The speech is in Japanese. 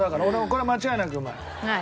これは間違いなくうまい。